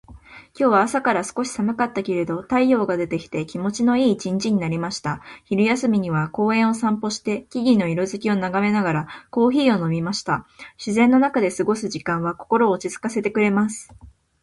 今日は朝から少し寒かったけれど、太陽が出てきて気持ちのいい一日になりました。昼休みには公園を散歩して、木々の色づきを眺めながらコーヒーを飲みました。自然の中で過ごす時間は心を落ち着かせてくれます。